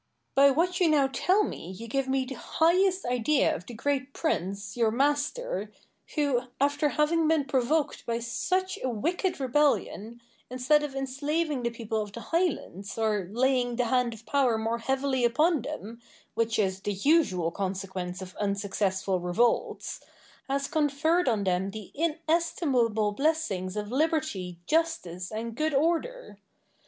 Douglas. By what you now tell me you give me the highest idea of the great prince, your master, who, after having been provoked by such a wicked rebellion, instead of enslaving the people of the Highlands, or laying the hand of power more heavily upon them (which is the usual consequence of unsuccessful revolts), has conferred on them the inestimable blessings of liberty, justice, and good order.